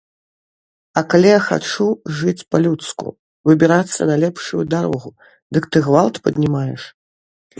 А калі я хачу жыць па-людску, выбірацца на лепшую дарогу, дык ты гвалт паднімаеш.